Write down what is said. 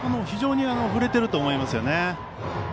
非常に振れていると思います。